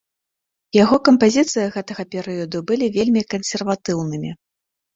Яго кампазіцыі гэтага перыяду былі вельмі кансерватыўнымі.